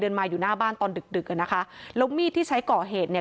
มาอยู่หน้าบ้านตอนดึกดึกอ่ะนะคะแล้วมีดที่ใช้ก่อเหตุเนี่ย